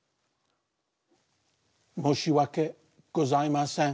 申し訳ございません。